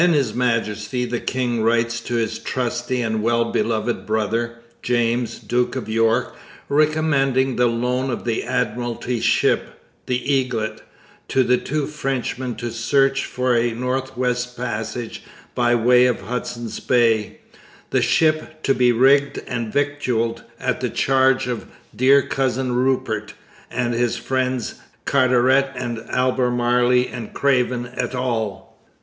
Then His Majesty the King writes to his 'trusty and Well Beloved Brother,' James, Duke of York, recommending the loan of the Admiralty ship, the Eaglet, to the two Frenchmen to search for a North West Passage by way of Hudson Bay, the ship 'to be rigged and victualled' at the charge of 'Dear Cousin Rupert' and his friends Carteret and Albemarle and Craven et al.